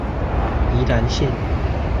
宜蘭線